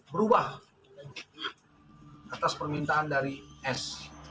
berubah atas permintaan dari s